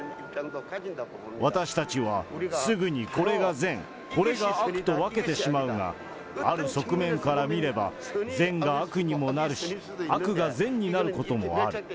私たちはすぐにこれが善、これが悪と分けてしまうが、ある側面から見れば善が悪にもなるし、悪が善になることもある。